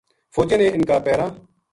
فوجیاں نے اِنھ کا پیراں